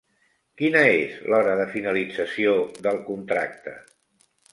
Quina és l'hora de finalització del contracte?